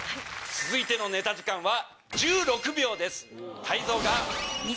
続いてのネタ時間は。